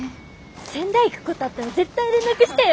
仙台来っこどあったら絶対連絡してよ？